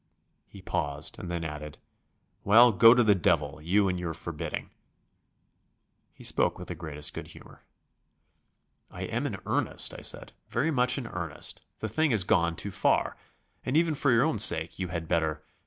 He paused, and then added: "Well, go to the devil, you and your forbidding." He spoke with the greatest good humour. "I am in earnest," I said; "very much in earnest. The thing has gone too far, and even for your own sake, you had better